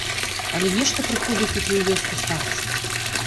Але нешта прыходзяць у тую вёску старцы.